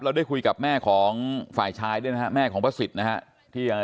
เราได้คุยกับแม่ของฝ่ายชายด้วยนะฮะแม่ของพระศิษฐ์นะฮะ